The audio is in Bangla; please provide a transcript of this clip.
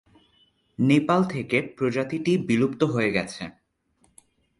নেপাল থেকে প্রজাতিটি বিলুপ্ত হয়ে গেছে।